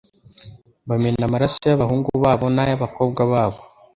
bamena amaraso y’abahungu babo n’ay’abakobwa babo